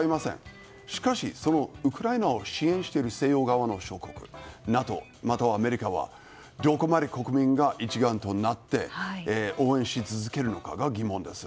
しかし、ウクライナを支援している西欧側の諸国ＮＡＴＯやアメリカはどこまで国民が一丸となって応援し続けるのかが疑問です。